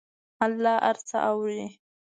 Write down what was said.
الله هر څه اوري.